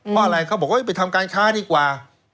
เพราะอะไรเขาบอกว่าไปทำการค้าดีกว่า